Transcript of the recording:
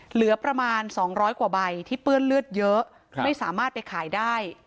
เหลือประมาณ๒๐๐กว่าใบที่เปื้อนเลือดเยอะไม่สามารถไปขายได้